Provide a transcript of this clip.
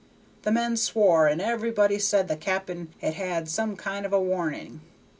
The men swore, and everybody said the cap'n had had some kind of a warning.